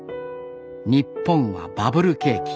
日本はバブル景気。